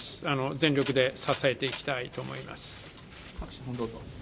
全力で支えていきたいと思います。